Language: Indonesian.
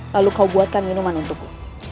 lalu kau buatkan minuman untukku